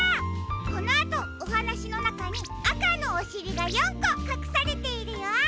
このあとおはなしのなかにあかのおしりが４こかくされているよ。